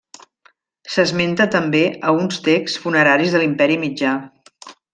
S'esmenta també a uns texts funeraris de l'Imperi mitjà.